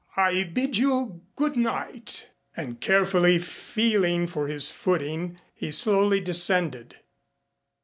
"I bid you good night." And carefully feeling for his footing he slowly descended.